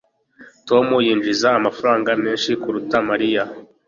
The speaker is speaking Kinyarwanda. Tom yinjiza amafaranga menshi kuruta Mariya